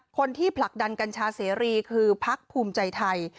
ผลักดันกัญชาเสรีคือพักภูมิใจไทย